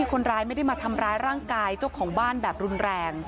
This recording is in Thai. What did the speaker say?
คนร้ายไม่ได้มาทำร้ายร่างกายเจ้าของบ้านแบบรุนแรง